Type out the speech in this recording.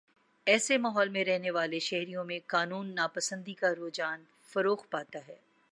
ایسے ماحول میں رہنے والے شہریوں میں قانون ناپسندی کا رجحان فروغ پاتا ہے